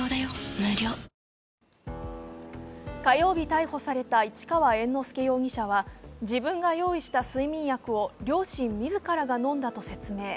逮捕された市川猿之助容疑者は、自分が用意した睡眠薬を両親自らが飲んだと説明。